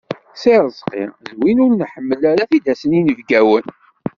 Si Rezqi d win ur nḥemmel ara ad t-id-asen yinebgawen.